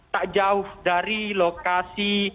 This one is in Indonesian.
tak jauh dari lokasi